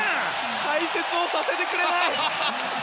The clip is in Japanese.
解説をさせてくれない。